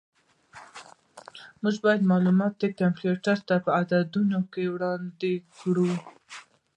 موږ باید معلومات کمپیوټر ته په عددونو کې وړاندې کړو.